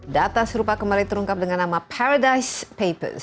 data serupa kemarin terungkap dengan nama paradise papers